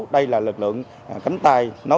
đây là lực lượng cánh tay